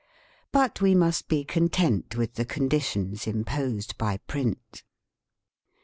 But we must be content with the conditions imposed by print.